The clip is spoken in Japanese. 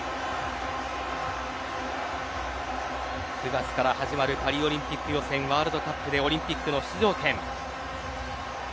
９月から始まるパリオリンピック予選ワールドカップでオリンピックの出場権。